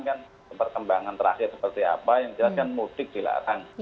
kan perkembangan terakhir seperti apa yang jelas kan mudik dilarang